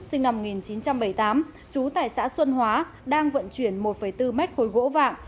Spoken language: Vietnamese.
sinh năm một nghìn chín trăm bảy mươi tám trú tại xã xuân hóa đang vận chuyển một bốn mét khối gỗ vàng